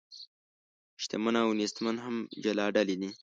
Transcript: شتمن او نیستمن هم جلا ډلې دي.